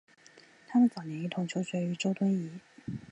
他们早年一同求学于周敦颐。